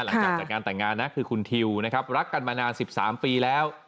หลังจากจัดงานแต่งงานนะคือคุณทิวนะครับรักกันมานาน๑๓ปีแล้ว